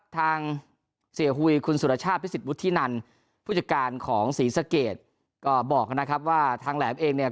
ทางเสียหุยคุณสุรชาติพิสิทวุฒินันผู้จัดการของศรีสะเกดก็บอกนะครับว่าทางแหลมเองเนี่ย